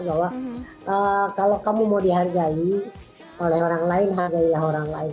bahwa kalau kamu mau dihargai oleh orang lain hargailah orang lain